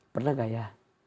pernah gak ya